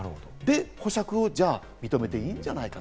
保釈を認めていいんじゃないか。